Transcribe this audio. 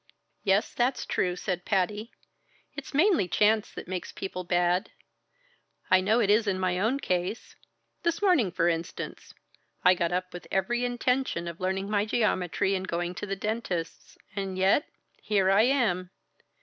"Yes, that's true," said Patty. "It's mainly chance that makes people bad I know it is in my own case. This morning for instance, I got up with every intention of learning my geometry and going to the dentist's and yet here I am!